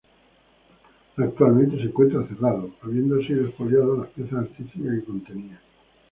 Actualmente se encuentra cerrado, habiendo sido expoliado las piezas artísticas que contenía.